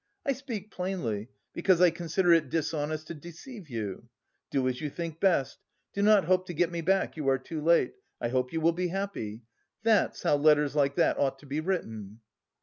I speak plainly because I consider it dishonest to deceive you. Do as you think best. Do not hope to get me back, you are too late. I hope you will be happy.' That's how letters like that ought to be written!"